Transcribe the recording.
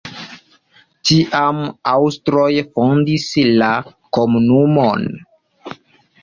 Tiam aŭstroj fondis la komunumon.